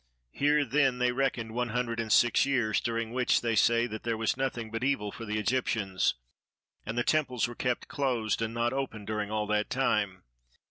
Here then they reckon one hundred and six years, during which they say that there was nothing but evil for the Egyptians, and the temples were kept closed and not opened during all that time.